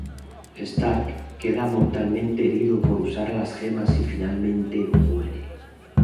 Stark queda mortalmente herido por usar las gemas y finalmente muere.